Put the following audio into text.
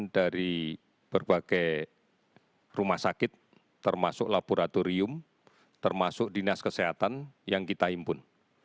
dari berbagai rumah sakit termasuk laboratorium termasuk dinas kesehatan yang kita impun